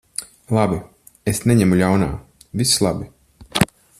Labi. Es neņemu ļaunā. Viss labi.